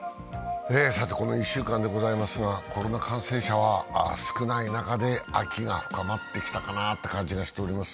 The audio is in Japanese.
この１週間でございますが、コロナ感染者は少ない中で秋が深まってきたかなという感じがしております。